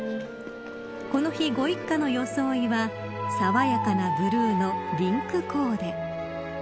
この日、ご一家の装いは爽やかなブルーのリンクコーデ。